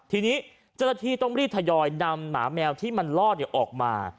ทีนี้เจ้าหน้าที่ต้องรีบทยอยนำหมาแมวที่มันลอดออกมา